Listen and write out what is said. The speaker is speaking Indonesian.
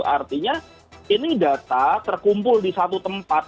artinya ini data terkumpul di satu tempat